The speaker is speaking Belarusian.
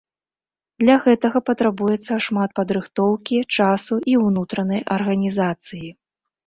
Для гэтага патрабуецца шмат падрыхтоўкі, часу і ўнутранай арганізацыі.